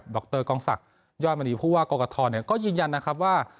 ดรกองศักดิ์ย่อนมณีผู้ว่ากรกฏธอตรวจก็ยืนยันว่า